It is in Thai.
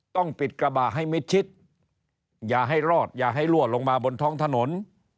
ต้องปิดกระบะให้มิดชิดอย่าให้รอดอย่าให้รั่วลงมาบนท้องถนน